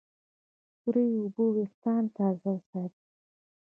سړې اوبه وېښتيان تازه ساتي.